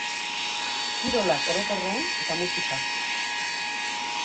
Kirolak orokorrean eta musika.